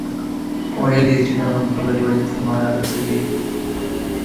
ويل يې چې د غم خبرې ولې تر ما رارسوي.